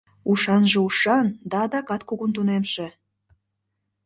Ушанже ушан да адак кугун тунемше.